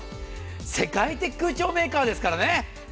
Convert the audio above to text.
世界的空調メーカーですからね。